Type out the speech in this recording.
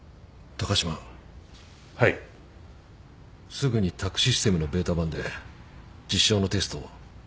すぐに宅・システムのベータ版で実証のテストを。